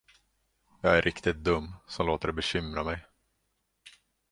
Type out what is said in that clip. Jag är riktigt dum, som låter det bekymra mig.